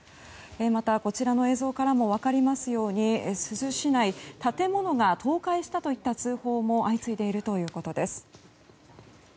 また、こちらの映像からも分かりますように珠洲市内建物が倒壊したといった通報も相次いでいるということです。